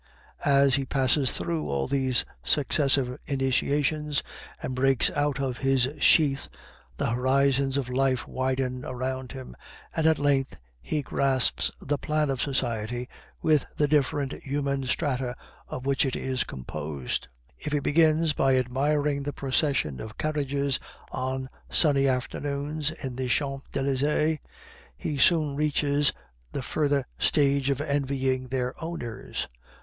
As he passes through all these successive initiations, and breaks out of his sheath, the horizons of life widen around him, and at length he grasps the plan of society with the different human strata of which it is composed. If he begins by admiring the procession of carriages on sunny afternoons in the Champs Elysees, he soon reaches the further stage of envying their owners.